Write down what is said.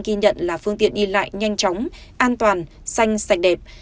ghi nhận là phương tiện đi lại nhanh chóng an toàn xanh sạch đẹp